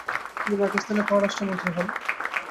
তিনি পাকিস্তানের পররাষ্ট্রমন্ত্রী হন।